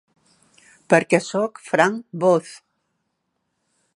Perquè sóc Frank Booth!